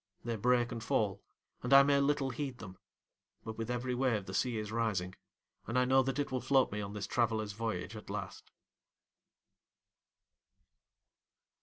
They break and fall, and I may little heed them; but, with every wave the sea is rising, and I know that it will float me on this traveller's voyage at last.